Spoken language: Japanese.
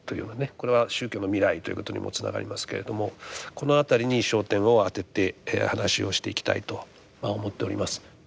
これは宗教の未来ということにもつながりますけれどもこの辺りに焦点を当てて話をしていきたいとまあ思っております。